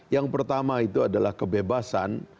yang pertama itu adalah kebebasan